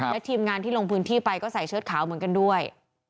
และทีมงานที่ลงพื้นที่ไปก็ใส่เชิดขาวเหมือนกันด้วย